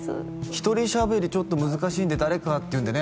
一人喋りちょっと難しいんで誰かっていうんでね